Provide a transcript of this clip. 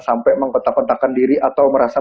sampai mengkotak kotakan diri atau merasa